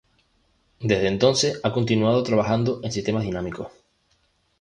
Desde entonces ha continuado trabajando en sistemas dinámicos.